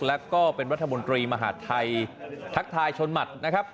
แล้วก็เป็นรัฐมนตรีมหาดไทยทักทายชนหมัดนะครับ